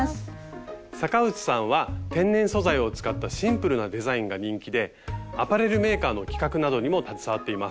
坂内さんは天然素材を使ったシンプルなデザインが人気でアパレルメーカーの企画などにも携わっています。